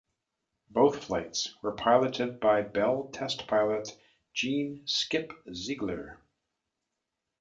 Both flights were piloted by Bell test pilot Jean "Skip" Ziegler.